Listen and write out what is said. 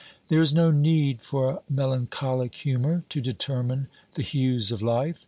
There is no need for a melancholic humour to determine the hues of life.